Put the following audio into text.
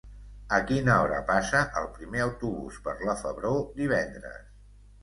A quina hora passa el primer autobús per la Febró divendres?